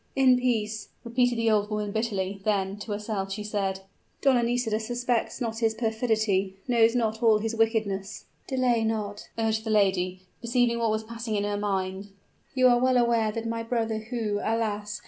"In peace!" repeated the old woman bitterly: then, to herself she said, "Donna Nisida suspects not his perfidy knows not all his wickedness." "Delay not," urged the lady, perceiving what was passing in her mind. "You are well aware that my brother, who, alas!